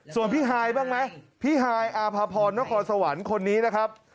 ส่วนพี่ฮายบ้างไหมพี่ฮายอาภาพรนครสวรรค์คนนี้นะครับ